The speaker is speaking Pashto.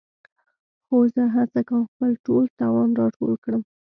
خو زه هڅه کوم خپل ټول توان راټول کړم.